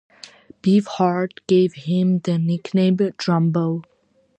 Beefheart gave him the nickname "Drumbo".